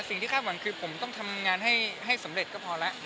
สิ่งที่คาสกวันคือผมต้องทำงานให้ให้สำเร็จก็พอละ